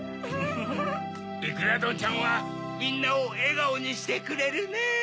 いくらどんちゃんはみんなをえがおにしてくれるねぇ。